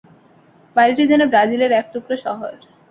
বাড়িটি যেন ব্রাজিলের এক টুকরো শহর।